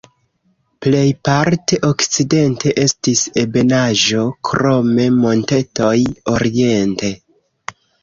Plejparte okcidente estis ebenaĵo, krome montetoj oriente.